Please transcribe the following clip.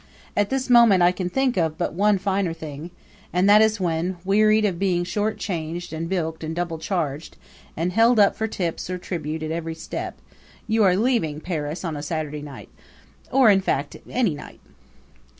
At this moment I can think of but one finer thing and that is when, wearied of being short changed and bilked and double charged, and held up for tips or tribute at every step, you are leaving Paris on a Saturday night or, in fact, any night.